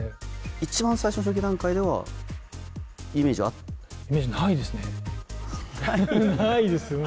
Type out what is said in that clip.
一番最初の初期段階では、イメージないですね。